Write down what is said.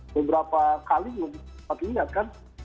beberapa kali belum sempat ingat kan